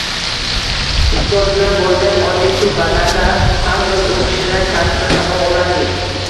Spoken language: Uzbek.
Ustoz bilan bo’lgan oddiy suhbatlarda ham biz u kishidan katta saboq olardik.